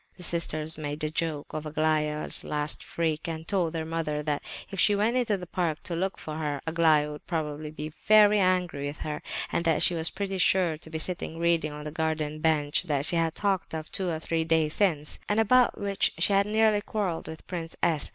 The sisters made a joke of Aglaya's last freak, and told their mother that if she went into the park to look for her, Aglaya would probably be very angry with her, and that she was pretty sure to be sitting reading on the green bench that she had talked of two or three days since, and about which she had nearly quarrelled with Prince S.